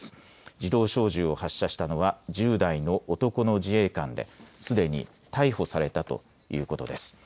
自動小銃を発射したのは１０代の男の自衛官ですでに逮捕されたということです。